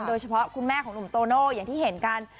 โดยเฉพาะคุณแม่ของหนุ่มโตโนอย่างที่เห็นกัน